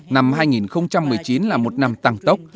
năm hai nghìn một mươi chín là một năm tăng tốc